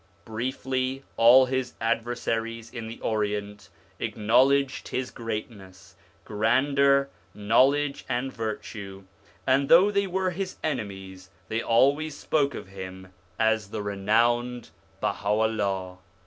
Briefly all his adversaries in the Orient acknow ledcred his greatness, grandeur, knowledge, and virtue; and though they were his enemies, they always spoke of him as < the renowned Baha'u'llah.'